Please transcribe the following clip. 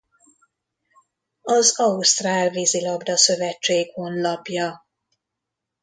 Az ausztrál Vízilabda-szövetség honlapja